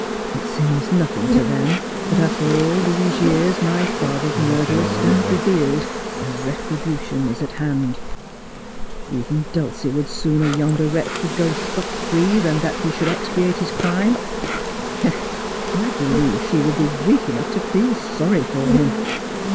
' It seems nothing to them that after all these years my father's murderer stands revealed, and retribution is at hand. Even ' This Man Killed my Father.' 35 Dulcie would sooner yonder wretch should go scot free than that he should expiate his crime. Yes, I believe she would be weak enough to feel sorry for him.'